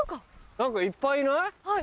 何かいっぱいいない？